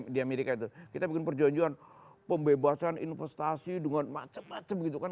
di amerika itu kita bikin perjanjian pembebasan investasi dengan macam macam gitu kan